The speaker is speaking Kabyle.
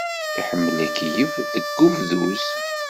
Yeḥemmel akeyyef deg webduz.